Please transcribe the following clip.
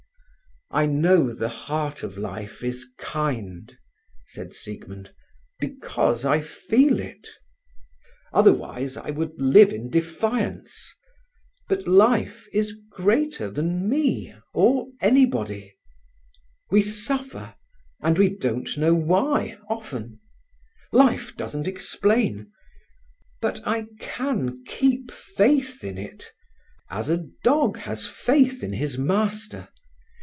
"I know the heart of life is kind," said Siegmund, "because I feel it. Otherwise I would live in defiance. But Life is greater than me or anybody. We suffer, and we don't know why, often. Life doesn't explain. But I can keep faith in it, as a dog has faith in his master.